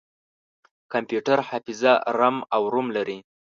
کمپیوټر حافظه رام او روم لري.